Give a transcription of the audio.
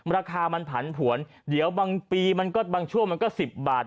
ราคามันผันผวนเดี๋ยวบางปีมันก็บางช่วงมันก็๑๐บาท